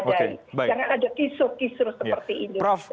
jangan ada kisur kisur seperti ini